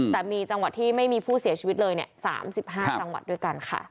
แต่มีจังหวัดที่ไม่มีผู้เสียชีวิตเลย๓๕จังหวัดด้วยกันค่ะ